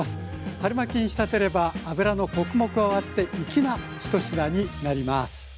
春巻に仕立てればあぶらのコクも加わって粋な１品になります。